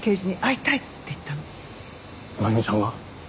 真弓ちゃんが？